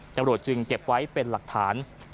จังหลวดจึงเก็บไว้เป็นหลักฐาน